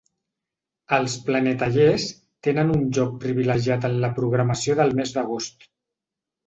Els ‘Planetallers’ tenen un lloc privilegiat en la programació del mes d’agost.